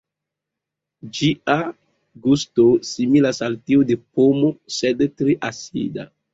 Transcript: Ĝia gusto similas al tiu de pomo, sed tre acida.